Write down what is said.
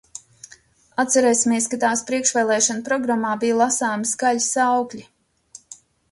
Atcerēsimies, ka tās priekšvēlēšanu programmā bija lasāmi skaļi saukļi.